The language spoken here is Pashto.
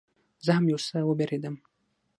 زه هم یو څه وبېرېدم.